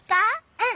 うん！